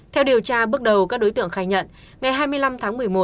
theo điều tra bước đầu các đối tượng khai nhận ngày hai mươi năm tháng một mươi một